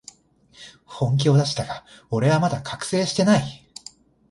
本気を出したが、俺はまだ覚醒してない